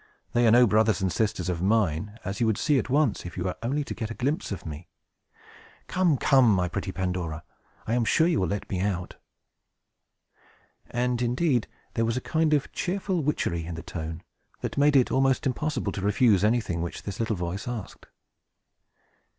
They are no brothers and sisters of mine, as you would see at once, if you were only to get a glimpse of me. Come, come, my pretty Pandora! I am sure you will let me out!" And, indeed, there was a kind of cheerful witchery in the tone, that made it almost impossible to refuse anything which this little voice asked.